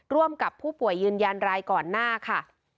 ร่วมกับผู้ป่วยยืนยันรายก่อนหน้าค่ะ